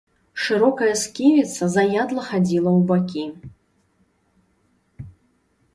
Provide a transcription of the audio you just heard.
Шырокая сківіца заядла хадзіла ў бакі.